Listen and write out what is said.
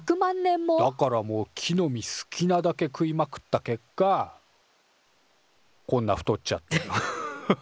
だからもう木の実好きなだけ食いまくった結果こんな太っちゃって。